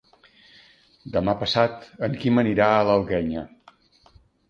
Demà passat en Quim anirà a l'Alguenya.